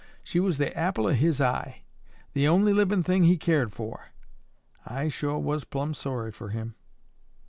She was the apple o' his eye. The only livin' thing he keered for. I sho' was plumb sorry fer him."